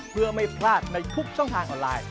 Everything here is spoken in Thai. เพื่อไม่พลาดในทุกช่องทางออนไลน์